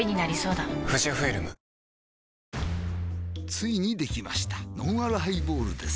ついにできましたのんあるハイボールです